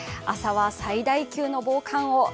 朝は最大級の防寒を。